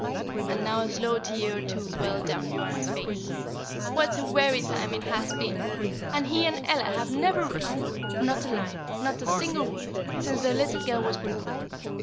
And now a slow tear or two welled down Joanna's face. "What a weary time it has been! And he and Ella have never written not a line, not a single word, since their little girl was born."